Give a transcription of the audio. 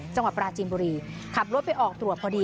จังหวัดปราจีนบุรีขับรถไปออกตรวจพอดี